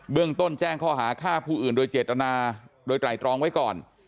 เรื่องต้นแจ้งข้อหาฆ่าผู้อื่นโดยเจตนาโดยไตรตรองไว้ก่อน